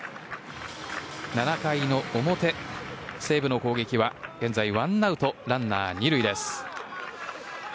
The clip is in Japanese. ７回の表、西武の攻撃は現在ワンアウトランナー２塁です。